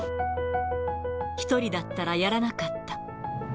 １人だったらやらなかった。